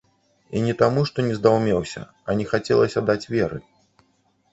І не таму, што не здаўмеўся, а не хацелася даць веры.